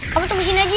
kamu tunggu sini aja ya